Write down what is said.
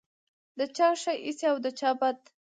د چا ښه ایسې او د چا بد.